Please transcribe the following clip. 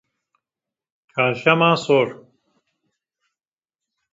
çarşema sor